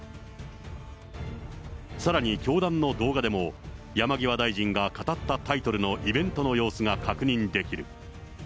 さらに教団の動画でも、山際大臣が語ったタイトルのイベントの様子が確認できる。